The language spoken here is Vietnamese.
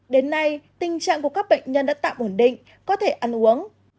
đến nay tình trạng của các bệnh nhân đã tạm ổn định có thể ăn uống